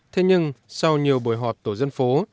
thế nhưng sau nhiều bồi họp tổ dân phố